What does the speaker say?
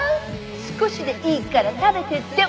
「少しでいいから食べてって！